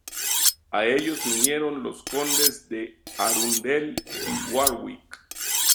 A ellos se unieron los condes de Arundel y Warwick.